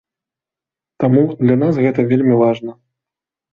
Таму для нас гэта вельмі важна!